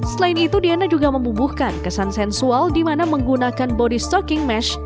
selain itu diana juga membubuhkan kesan sensual di mana menggunakan body stocking mash